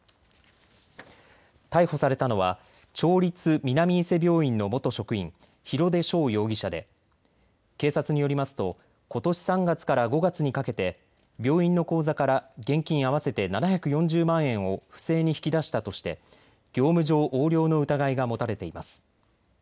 逮捕されたのは町立南伊勢病院の元職員、廣出翔容疑者で警察によりますとことし３月から５月にかけて病院の口座から現金合わせて７４０万円を不正に引き出したとして業務上横領の疑いが持たれています。